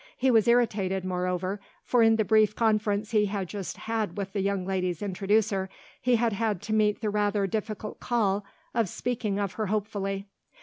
He was irritated, moreover, for in the brief conference he had just had with the young lady's introducer he had had to meet the rather difficult call of speaking of her hopefully.